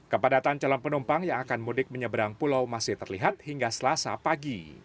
kepadatan calon penumpang yang akan mudik menyeberang pulau masih terlihat hingga selasa pagi